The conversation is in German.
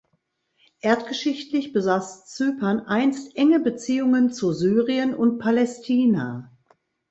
Erdgeschichtlich besaß Zypern einst enge Beziehungen zu Syrien und Palästina.